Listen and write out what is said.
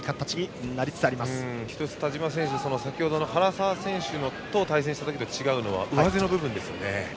田嶋選手は先程の原沢選手と対戦した時と違うのは上背の部分ですよね。